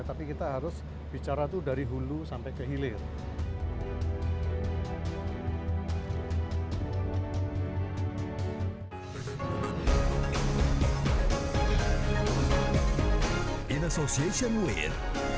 tapi kita harus bicara itu dari hulu sampai ke hilir in association